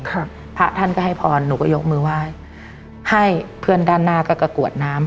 พระท่านก็ให้พรหนูก็ยกมือไหว้ให้เพื่อนด้านหน้าก็กระกวดน้ำ